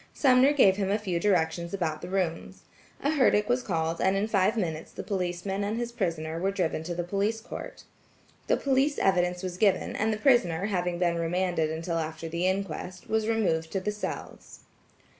Sumner gave him a few directions about the rooms. A herdic was called, and in five minutes the policeman and his prisoner were driven to the Police Court. The police evidence was given, and the prisoner having been remanded until after the inquest, was removed to the cells.